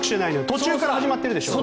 途中から始まってるでしょ。